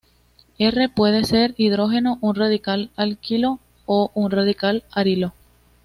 R puede ser hidrógeno, un radical alquilo o un radical arilo.